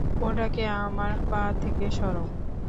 ওটাকে আমার পা থেকে সরাও!